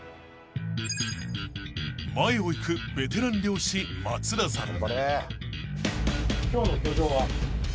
［前を行くベテラン漁師松田さん］